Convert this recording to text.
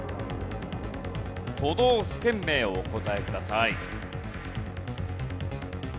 都道府県名をお答えください。